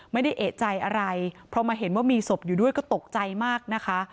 ไม่ได้เอกใจอะไรเพราะมาเห็นว่ามีศพอยู่ด้วยก็ตกใจมากนะคะ